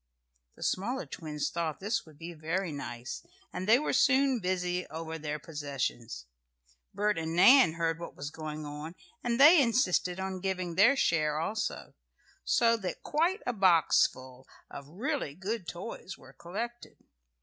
The smaller twins thought this would be very nice, and they were soon busy over their possessions. Bert and Nan heard what was going on, and they insisted on giving their share also, so that quite a box full of really good toys were collected.